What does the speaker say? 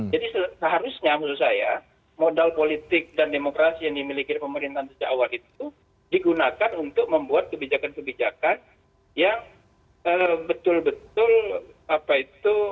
jadi seharusnya menurut saya modal politik dan demokrasi yang dimiliki pemerintahan sejak awal itu digunakan untuk membuat kebijakan kebijakan yang betul betul apa itu